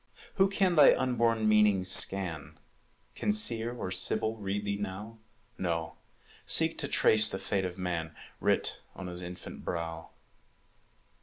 Who can thy unborn meaning scan? Can Seer or Sibyl read thee now? No, seek to trace the fate of man Writ on his infant brow.